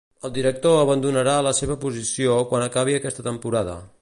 El director abandonarà la seva posició quan acabi aquesta temporada.